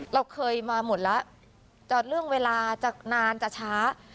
เราเคยมาหมดแล้วจะเรื่องเวลาจะนานจะช้า